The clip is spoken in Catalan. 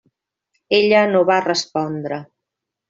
Ella no va respondre.